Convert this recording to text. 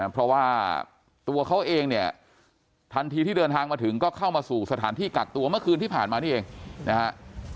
เพราะว่าตัวเขาเองเนี่ยทันทีที่เดินทางมาถึงก็เข้ามาสู่สถานที่กักตัวเมื่อคืนที่ผ่านมานี่เองนะฮะ